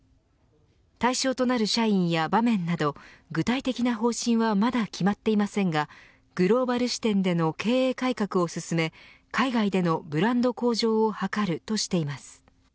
対象となる社員や場面など具体的な方針はまだ決まっていませんがグローバル視点での経営改革を進め海外でのブランド向上を図るとしています。